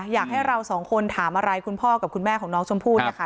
อยากให้เราสองคนถามอะไรคุณพ่อกับคุณแม่ของน้องชมพู่นะคะ